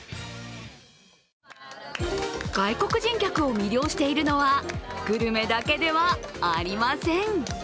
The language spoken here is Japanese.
外国人を魅了しているのはグルメだけではありません。